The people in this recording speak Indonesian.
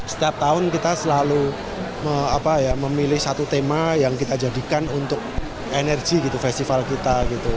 setiap tahun kita selalu memilih satu tema yang kita jadikan untuk energi gitu festival kita